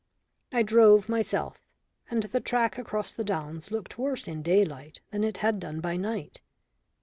I drove myself, and the track across the downs looked worse in daylight than it had done by night.